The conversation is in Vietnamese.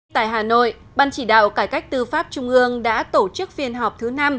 tại hà nội ban chỉ đạo cải cách tư pháp trung ương đã tổ chức phiên họp thứ năm